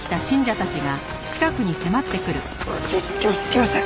来ました！